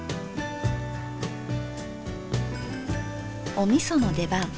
おみその出番。